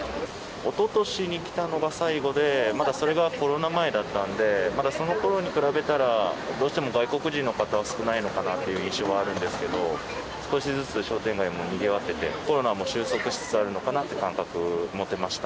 おととしに来たのが最後で、まだそれがコロナ前だったんで、まだそのころに比べたら、どうしても外国人の方は少ないのかなっていう印象はあるんですけど、少しずつ商店街もにぎわってて、コロナも収束しつつあるのかなっていう感覚持てました。